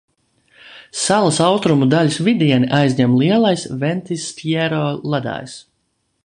Salas austrumu daļas vidieni aizņem Lielais Ventiskjero ledājs.